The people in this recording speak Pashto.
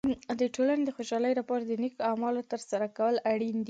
د ټولنې د خوشحالۍ لپاره د نیکو اعمالو تر سره کول اړین دي.